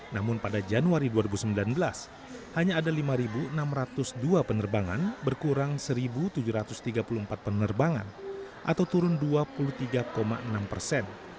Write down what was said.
namun pada januari dua ribu sembilan belas hanya ada lima enam ratus dua penerbangan berkurang satu tujuh ratus tiga puluh empat penerbangan atau turun dua puluh tiga enam persen